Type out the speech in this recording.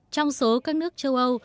trong số các nước châu âu